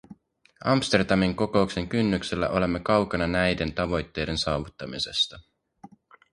Amsterdamin kokouksen kynnyksellä olemme kaukana näiden tavoitteiden saavuttamisesta.